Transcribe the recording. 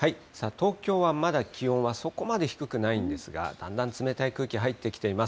東京はまだ気温はそこまで低くないんですが、だんだん冷たい空気入ってきています。